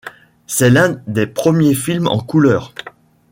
C'est l'un des premiers films en couleur.